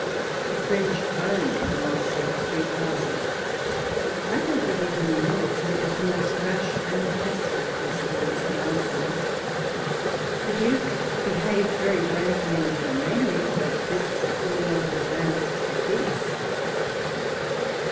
The French own the loss of three thousand ; I don't believe many more, for it was a most rash and desperate perseverance on our side. The Duke behaved very bravely and humanely ; but this will not have advanced the peace.